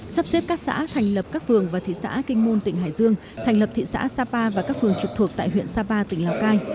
sắp xếp các xã thành lập các phường và thị xã kinh môn tỉnh hải dương thành lập thị xã sapa và các phường trực thuộc tại huyện sapa tỉnh lào cai